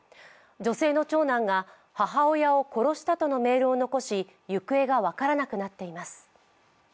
女性の長男が母親を殺したとのメールを残し行方が分からなくなっています。